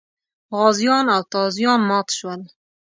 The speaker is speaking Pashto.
غازیان او تازیان مات شول.